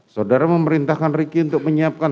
saudara memerintahkan ricky untuk menyiapkan